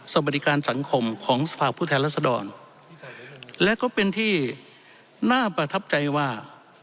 สวัสดีการสังคมของสภาพผู้แทนรัศดรและก็เป็นที่น่าประทับใจว่า